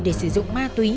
để sử dụng ma túy